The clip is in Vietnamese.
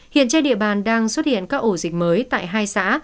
hiện trên địa bàn đang xuất hiện các ổ dịch mới tại hai xã